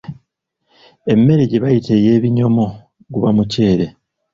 Emmere gye bayita ey’ebinyomo guba muceere.